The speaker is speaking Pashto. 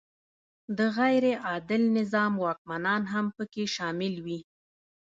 د غیر عادل نظام واکمنان هم پکې شامل وي.